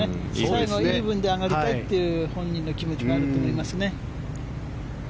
最後はイーブンで上がりたいという本人の気持ちもあると思いますね。